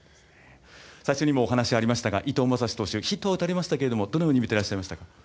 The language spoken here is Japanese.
最初にもお話ありましたが伊藤将司投手ヒットは打たれましたけどどのように見ていました？